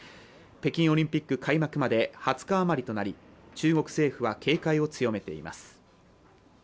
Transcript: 北京オリンピック開幕まで２０日余りとなり中国政府は警戒を強めています。